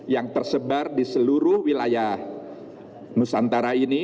yang tersebar di seluruh wilayah nusantara ini